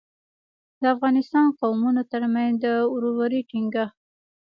د افغانستان قومونو ترمنځ د ورورۍ ټینګښت.